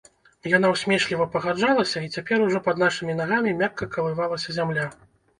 Яна ўсмешліва пагаджалася, і цяпер ужо пад нашымі нагамі мякка калывалася зямля.